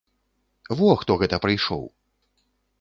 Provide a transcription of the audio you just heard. Во хто гэта прыйшоў!